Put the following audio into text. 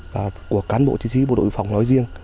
và của cán bộ chính sĩ bộ đội phòng nói riêng